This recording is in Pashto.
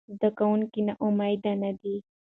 زده کوونکي ناامیده نه دي.